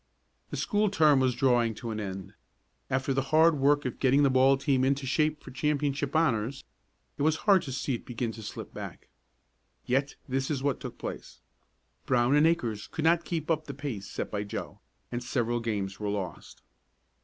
The school term was drawing to an end. After the hard work of getting the ball team into shape for championship honors it was hard to see it begin to slip back. Yet this is what took place. Brown and Akers could not keep up the pace set by Joe, and several games were lost.